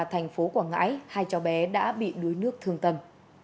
thành phố quảng ngãi hai chó bé đã bị đuối nước thương tầm